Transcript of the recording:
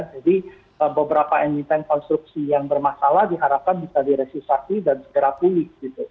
jadi beberapa emiten konstruksi yang bermasalah diharapkan bisa diresesasi dan segera pulih gitu